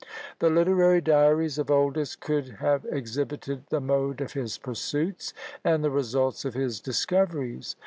The literary diary of Oldys could have exhibited the mode of his pursuits, and the results of his discoveries.